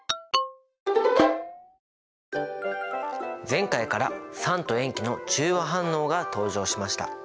前回から酸と塩基の中和反応が登場しました。